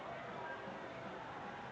dan sementara disisikan oleh anies